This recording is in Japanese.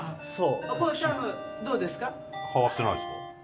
変わってないですか？